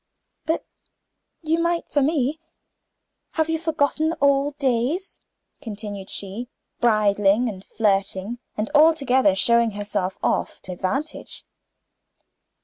"But you might for me. Have you forgotten old days?" continued she, bridling and flirting, and altogether showing herself off to advantage.